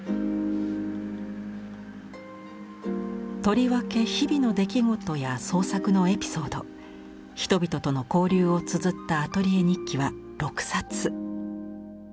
とりわけ日々の出来事や創作のエピソード人々との交流をつづった「アトリエ日記」は６冊。